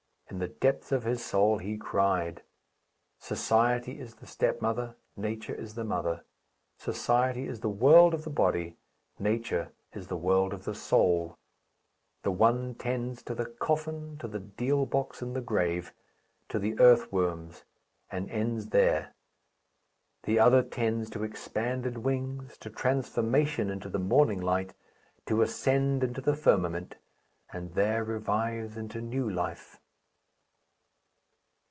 In the depths of his soul he cried. Society is the stepmother, Nature is the mother. Society is the world of the body, Nature is the world of the soul. The one tends to the coffin, to the deal box in the grave, to the earth worms, and ends there. The other tends to expanded wings, to transformation into the morning light, to ascent into the firmament, and there revives into new life.